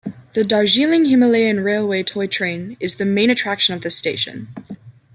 The Darjeeling Himalayan Railway Toy Train is the main attraction of this station.